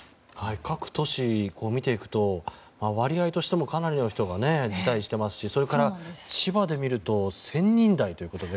各都市、見ていくと割合としてもかなりの人が辞退していますしそれから、千葉で見ると１０００人台ということで。